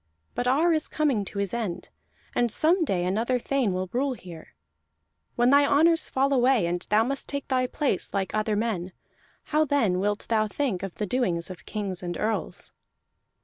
But Ar is coming to his end, and some day another thane will rule here. When thy honors fall away, and thou must take thy place like other men: how then wilt thou think of the doings of kings and earls?"